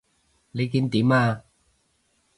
你見點啊？